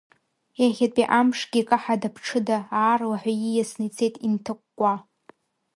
Иахьатәи амшгьы каҳада-ԥҽыда, аарлаҳәа ииасны ицеит инҭакәкәа.